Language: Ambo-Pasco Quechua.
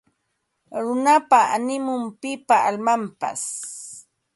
Runapa animun; pipa almanpas